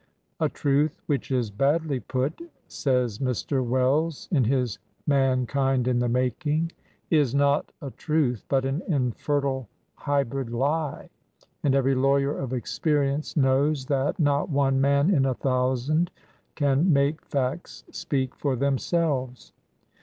"A truth which is badly put," says Mr. Wells in his "Mankind in the Making," "is not a truth, but an infertile, hybrid lie," and every lawyer of experience knows that not one man in a thousand can make facts speak for themselves.